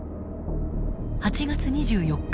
８月２４日